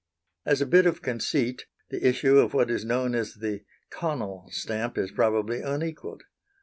As a bit of conceit, the issue of what is known as the Connell stamp is probably unequalled.